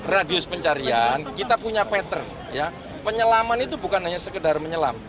radius pencarian kita punya pattern penyelaman itu bukan hanya sekedar menyelam